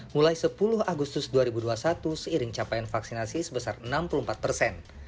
mulai sepuluh agustus dua ribu dua puluh satu seiring capaian vaksinasi sebesar enam puluh empat persen